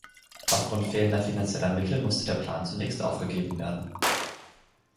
Aufgrund fehlender finanzieller Mittel musste der Plan zunächst aufgegeben werden.